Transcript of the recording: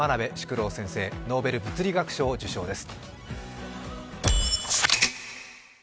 淑郎先生ノーベル物理学賞を受賞です。